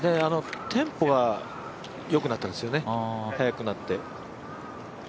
テンポが良くなったんですよね、はやくなって。